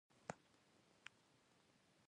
د پارلمان غړو د امنیت او ګټې خوندي کولې.